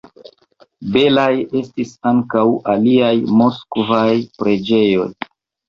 Belaj estis ankaŭ aliaj moskvaj preĝejoj.